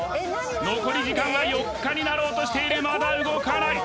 残り時間は４日になろうとしているまだ動かない